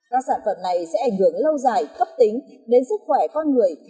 các sản phẩm này sẽ ảnh hưởng lâu dài cấp tính đến sức khỏe con người